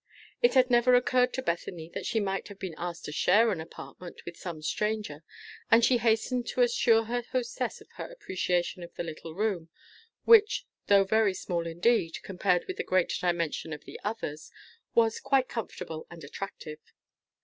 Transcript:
It had never occurred to Bethany that she might have been asked to share an apartment with some stranger, and she hastened to assure her hostess of her appreciation of the little room, which, though very small indeed compared with the great dimensions of the others, was quite comfortable and attractive.